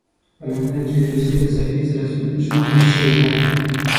په لندن کې د روسیې له سفیر سره ژمنه شوې ده.